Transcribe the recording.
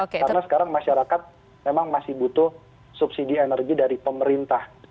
karena sekarang masyarakat memang masih butuh subsidi energi dari pemerintah